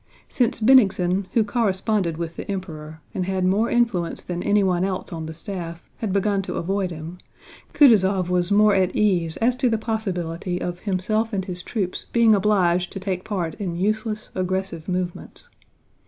Since Bennigsen, who corresponded with the Emperor and had more influence than anyone else on the staff, had begun to avoid him, Kutúzov was more at ease as to the possibility of himself and his troops being obliged to take part in useless aggressive movements.